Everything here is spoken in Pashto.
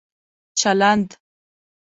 چلند